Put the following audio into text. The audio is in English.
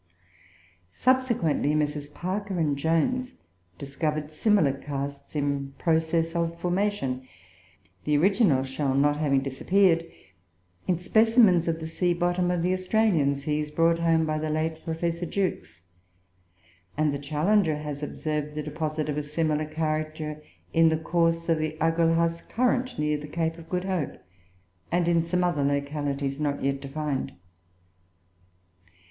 Subsequently, Messrs. Parker and Jones discovered similar casts in process of formation, the original shell not having disappeared, in specimens of the sea bottom of the Australian seas, brought home by the late Professor Jukes. And the Challenger has observed a deposit of a similar character in the course of the Agulhas current, near the Cape of Good Hope, and in some other localities not yet defined.